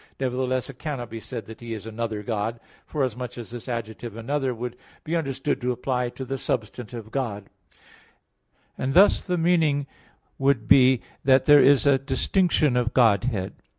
2), nevertheless it cannot be said that He is "another God"; forasmuch as this adjective "another" would be understood to apply to the substantive God; and thus the meaning would be that there is a distinction of Godhead.